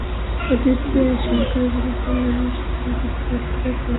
অতীতে সরকারের বিরুদ্ধে নানা সময়ে গুমের অভিযোগ করেছে গুমের শিকার ব্যক্তিদের পরিবারগুলো।